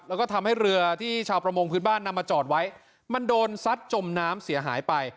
แล้วก็ทำให้เรือที่ชาวประมงพื้นบ้านนำมาจอดไว้มันโดนซัดจมน้ำเสียหายไป